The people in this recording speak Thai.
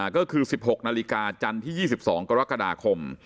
ก็คือ๑๖นาฬิกาจันทร์ที่๒๒กรกฎาคม